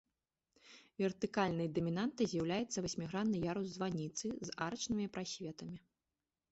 Вертыкальнай дамінантай з'яўляецца васьмігранны ярус званіцы з арачнымі прасветамі.